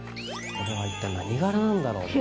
これは一体何柄なんだろうね。